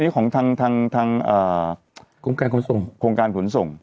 นี้ของทางทางทางเอ่อโครงการหน์ส่งโครงการหน์ส่ง